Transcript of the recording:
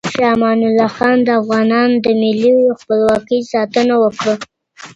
شاه امان الله خان د افغانانو د ملي خپلواکۍ ساتنه وکړه.